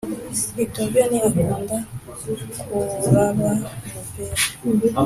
bitoveni akunda kuraba umupira